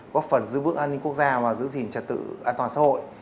quốc phần giữ bước an ninh quốc gia và giữ gìn trật tự an toàn xã hội